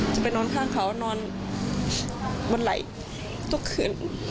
จะไปนอนข้างเขานอนบนไหล่ทุกคืน